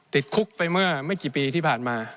ติดคุกไปเมื่อไม่กี่ปีที่ผ่านมา